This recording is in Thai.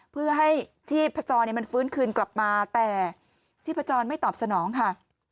เพื่อให้ชีพจรมันฟื้นคืนกลับมาแต่ชีพจรไม่ตอบสนองค่ะ